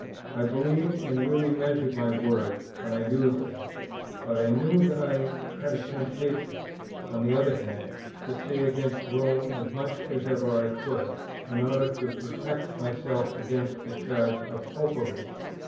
I believed, and really measured, my words, when I used them; but I knew that I had a temptation, on the other hand, to say against Rome as much as ever I could, in order to protect myself against the charge of Popery.